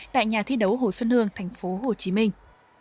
tại nhà thi đấu hồ xuân hương thành phố hồ chí minh